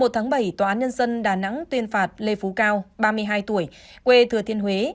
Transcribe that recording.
một tháng bảy tòa án nhân dân đà nẵng tuyên phạt lê phú cao ba mươi hai tuổi quê thừa thiên huế